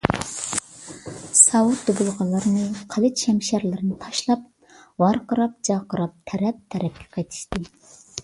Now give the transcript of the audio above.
ساۋۇت - دۇبۇلغىلىرىنى، قىلىچ - شەمشەرلىرىنى تاشلاپ، ۋارقىراپ - جارقىراپ تەرەپ - تەرەپكە قېچىشتى.